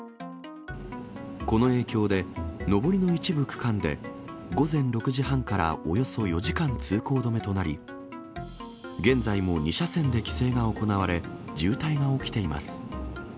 この影響で、上りの一部区間で、午前６時半からおよそ４時間、通行止めとなり、現在も２車線で規制が行われ、渋滞が起きています。